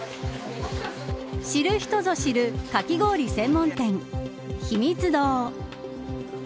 知る人ぞ知る、かき氷専門店ひみつ堂。